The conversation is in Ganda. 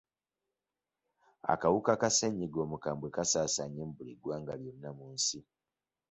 Akawuka ka ssennyiga omukambwe kasaasaanye mu buli ggwanga lyonna mu nsi.